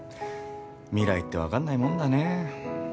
未来ってわかんないもんだね。